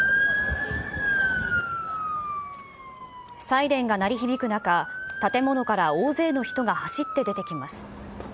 サイレンが鳴り響く中、建物から大勢の人が走って出てきます。